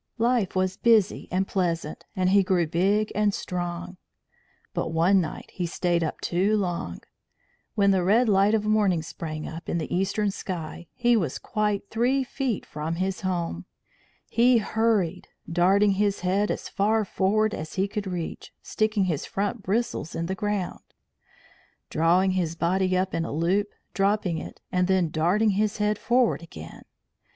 Life was busy and pleasant, and he grew big and strong. But one night he stayed up too long; when the red light of morning sprang up in the eastern sky he was quite three feet from his home. He hurried, darting his head as far forward as he could reach, sticking his front bristles in the ground, drawing his body up in a loop, dropping it, and then darting his head forward again.